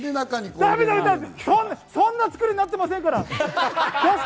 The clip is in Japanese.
そんな作りになってませんから！